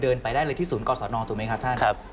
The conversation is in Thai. ไปได้เลยที่ศูนย์กศนถูกไหมครับท่าน